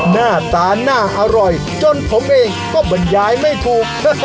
หน้าตาน่าอร่อยจนผมเองก็บรรยายไม่ถูก